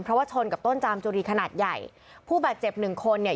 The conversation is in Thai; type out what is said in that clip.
เพราะว่าชนกับต้นจามจุรีขนาดใหญ่ผู้บาดเจ็บหนึ่งคนเนี่ย